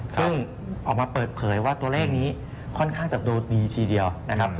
ซึ่งออกมาเปิดเผยว่าตัวเลขนี้ค่อนข้างจะดูดีทีเดียวนะครับ